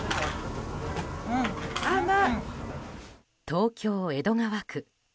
東京・江戸川区。